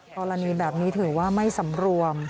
กรณีแบบนี้ถือว่าไม่สำรวม